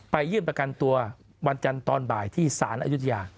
ยื่นประกันตัววันจันทร์ตอนบ่ายที่สารอายุทยา